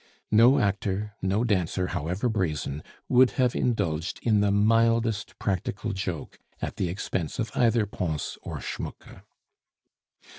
No actor, no dancer however brazen, would have indulged in the mildest practical joke at the expense of either Pons or Schmucke.